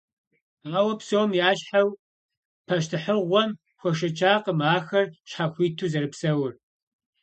Ауэ, псом ящхьэу, пащтыхьыгъуэм хуэшэчакъым ахэр щхьэхуиту зэрыпсэур.